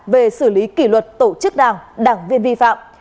về xử lý kỷ luật tổ chức đảng đảng viên vi phạm